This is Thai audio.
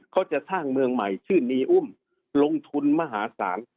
เขาจะสร้างเมืองใหม่ชื่อนีอุ้มลงทุนมหาศาล